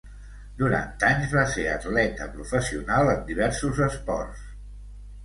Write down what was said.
Durant anys va ser atleta professional en diversos esports.